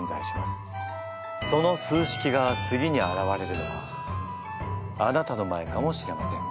その数式が次に現れるのはあなたの前かもしれません。